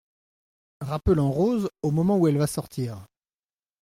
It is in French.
Rappelant Rose au moment où elle va sortir.